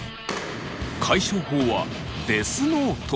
解消法はデスノート！